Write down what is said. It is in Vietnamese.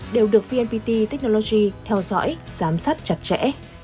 đều được vnpt technology theo dõi giám sát chặt chẽ